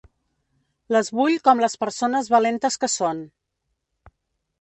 Les vull com les persones valentes que són.